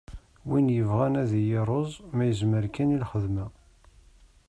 Win yebɣan ad iyi-rreẓ, ma yezmer kan i lxedma.